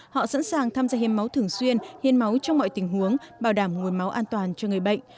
họ sẵn sàng tham gia hiến máu thường xuyên hiên máu trong mọi tình huống bảo đảm nguồn máu an toàn cho người bệnh